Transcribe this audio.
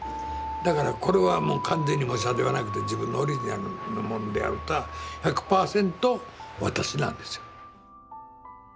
だからこれはもう完全に模写ではなくて自分のオリジナルのもんであるとは１００％私なんですよ。